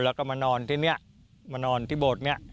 แล้วก็มานอนที่นี่มานอนที่โบสถ์นี้